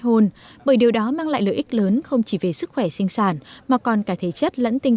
hôn bởi điều đó mang lại lợi ích lớn không chỉ về sức khỏe sinh sản mà còn cả thể chất lẫn tinh